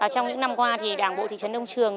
trong những năm qua đảng bộ thị trấn đông trường